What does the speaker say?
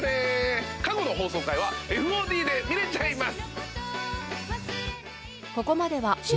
過去の放送回はＦＯＤで見れちゃいます。